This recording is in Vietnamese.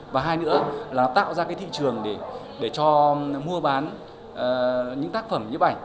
và hai nữa là nó tạo ra cái thị trường để cho mua bán những tác phẩm nhấp ảnh